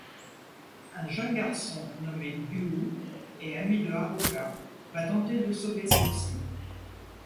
Un jeune garçon nommé Yuu et ami de Haruka va tenter de sauver celle-ci.